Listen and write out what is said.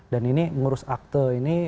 dan ini mengurus akte